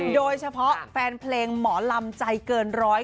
โดยเฉพาะแฟนเพลงหมอลำใจเกินร้อย